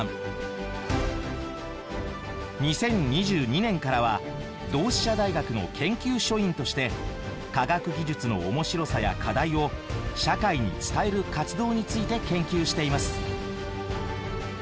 ２０２２年からは同志社大学の研究所員として科学技術の面白さや課題を社会に伝える活動について研究しています。